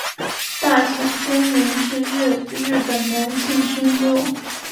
大场真人是日本男性声优。